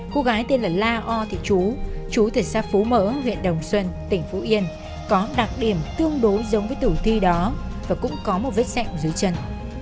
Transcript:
cô gái tên là la o thị chú chú thị xã phú mỡ huyện đồng xuân tỉnh phú yên có đặc điểm tương đối giống với tử thi đó và cũng có một vết sẹo dưới chân